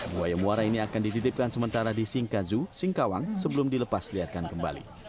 buaya muara ini akan dititipkan sementara di singkazu singkawang sebelum dilepasliarkan kembali